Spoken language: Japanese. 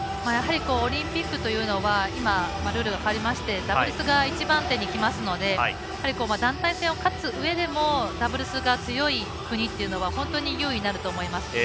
オリンピックというのは今、ルールが変わりましてダブルスが１番手にきますので団体戦を勝つうえでもダブルスが強い国っていうのは本当に有利になると思います。